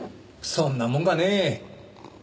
そんなもんかねえ。